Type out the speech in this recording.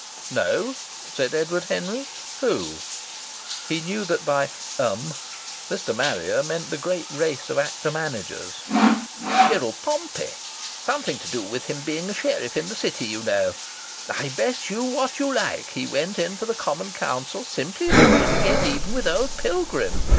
"No," said Edward Henry. "Who?" He knew that by "'em" Mr. Marrier meant the great race of actor managers. "Gerald Pompey. Something to do with him being a sheriff in the City, you know. I bet you what you laike he went in for the Common Council simply in order to get even with old Pilgrim.